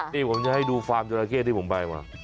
นี่ผมจะให้ดูฟาร์มเจอราเกษที่ผมบ่ายมา